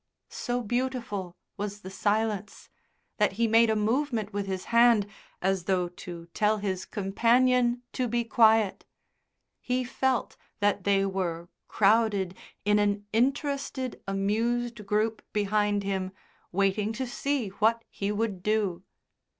So beautiful was the silence, that he made a movement with his hand as though to tell his companion to be quiet. He felt that they were crowded in an interested, amused group behind him waiting to see what he would do.